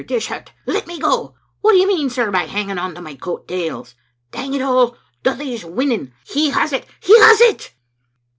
Dishart, let me go; what do you mean, sir, by hanging on to my coat tails? Dang it all, Duthie's winning. He has it, he has it!"